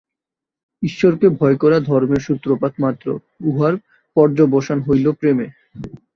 ঈশ্বরকে ভয় করা ধর্মের সূত্রপাত মাত্র, উহার পর্যবসান হইল প্রেমে।